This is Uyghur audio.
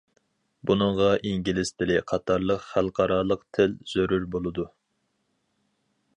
بۇنىڭغا ئىنگلىز تىلى قاتارلىق خەلقئارالىق تىل زۆرۈر بولىدۇ.